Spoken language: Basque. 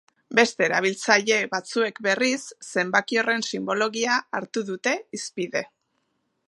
Beste erabiltzaile batzuek, berriz, zenbaki horren sinbologia hartu dute hizpide.